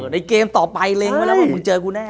ในเกมต่อไปเร่งไว้แล้วมึงเจอกูแน่